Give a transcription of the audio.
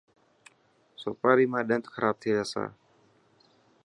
سوپاري مان ڏنت خراب ٿي تا.